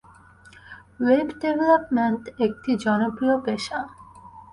Web development একটি জনপ্রিয় পেশা।